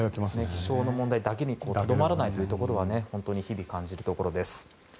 気象の問題にとどまらないところが本当に日々感じるところです。